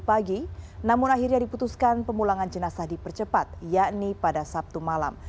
pagi namun akhirnya diputuskan pemulangan jenazah dipercepat yakni pada sabtu malam